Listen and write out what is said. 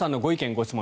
・ご質問